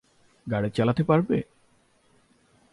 গাড়ি চালাতে পারবে?